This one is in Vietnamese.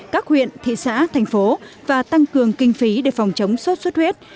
các huyện thị xã thành phố và tăng cường kinh phí để phòng chống sốt xuất huyết